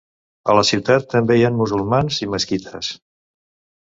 A la ciutat també hi ha musulmans i mesquites.